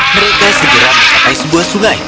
mereka segera mencapai sebuah sungai